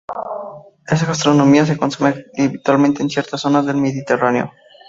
En gastronomía se consume habitualmente en ciertas zonas del mediterráneo.